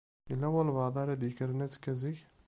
Yella walebɛaḍ ara d-yekkren azekka zik?